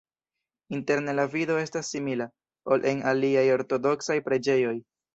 Interne la vido estas simila, ol en aliaj ortodoksaj preĝejoj.